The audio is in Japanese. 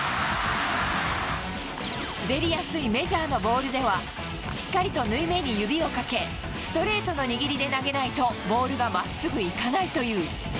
滑りやすいメジャーのボールでは、しっかりと縫い目に指をかけ、ストレートの握りで投げないと、ボールがまっすぐいかないという。